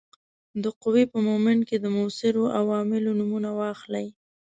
د قوې په مومنټ کې د موثرو عواملو نومونه واخلئ.